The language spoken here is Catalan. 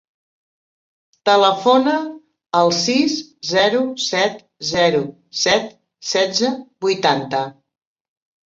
Telefona al sis, zero, set, zero, set, setze, vuitanta.